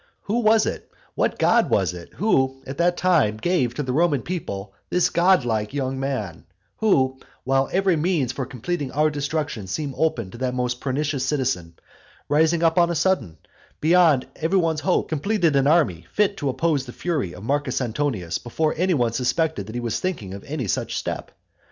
Who was it what god was it, who at that time gave to the Roman people this godlike young man, who, while every means for completing our destruction seemed open to that most pernicious citizen, rising up on a sudden, beyond every one's hope, completed an army fit to oppose to the fury of Marcus Antonius before any one suspected that he was thinking of any such step?